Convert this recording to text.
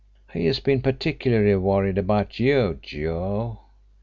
He has been particularly worried about you, Joe.